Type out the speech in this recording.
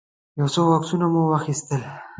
يو څو عکسونه مو واخيستل.